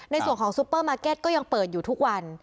ในส่วนของซูเปอร์มาร์เก็ตก็ยังเปิดอยู่ทุกวัน